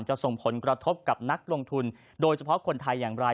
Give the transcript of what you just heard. ส่งผลกระทบกับนักลงทุนโดยเฉพาะคนไทยอย่างไร